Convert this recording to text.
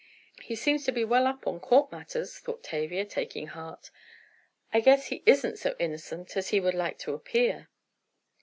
"He seems to be well up on court matters," thought Tavia, taking heart. "I guess he isn't so innocent as he would like to appear."